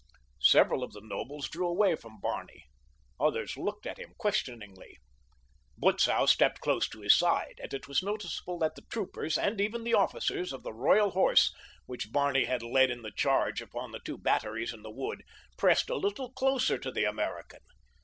Several of the nobles drew away from Barney. Others looked at him questioningly. Butzow stepped close to his side, and it was noticeable that the troopers, and even the officers, of the Royal Horse which Barney had led in the charge upon the two batteries in the wood, pressed a little closer to the American.